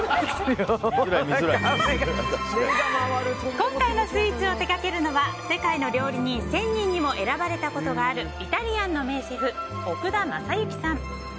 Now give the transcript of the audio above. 今回のスイーツを手掛けるのは世界の料理人１０００人にも選ばれたことのあるイタリアンの名シェフ奥田政行さん。